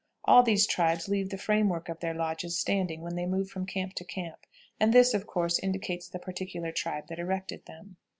All these tribes leave the frame work of their lodges standing when they move from camp to camp, and this, of course, indicates the particular tribe that erected them.